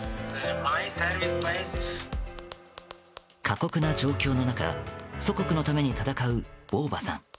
過酷な状況の中祖国のために戦うヴォーヴァさん。